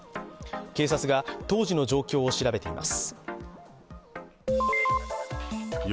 警察が当時の状況を調べています。